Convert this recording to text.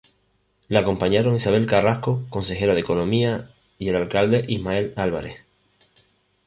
Le acompañaron Isabel Carrasco, Consejera de Economía y el alcalde Ismael Álvarez.